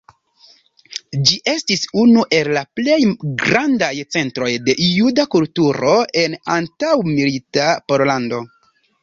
Ĝi estis unu el la plej grandaj centroj de juda kulturo en antaŭmilita Pollando.